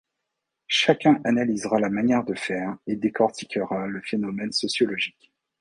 Chacun analysera la manière de faire et décortiquera le phénomène sociologique.